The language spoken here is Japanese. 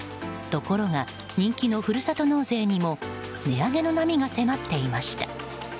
ところが人気のふるさと納税にも値上げの波が迫っていました。